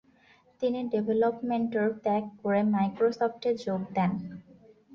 তিনি ডেভেলপমেন্টর ত্যাগ করে মাইক্রোসফটে যোগ দেন।